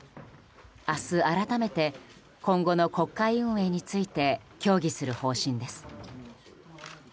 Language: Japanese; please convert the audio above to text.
明日、改めて今後の国会運営について協議する方針です。